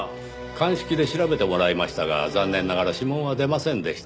鑑識で調べてもらいましたが残念ながら指紋は出ませんでした。